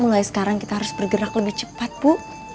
mulai sekarang kita harus bergerak lebih cepat bu